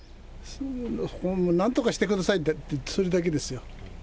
なんとかしてくださいってそれだけですよ。